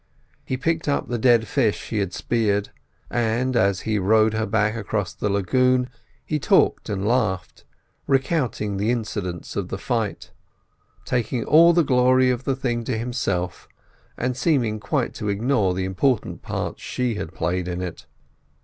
He picked up the dead fish he had speared; and as he rowed her back across the lagoon, he talked and laughed, recounting the incidents of the fight, taking all the glory of the thing to himself, and seeming quite to ignore the important part she had played in it.